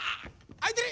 あいてる！